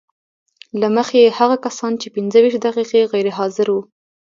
له مخې یې هغه کسان چې پنځه ویشت دقیقې غیر حاضر وو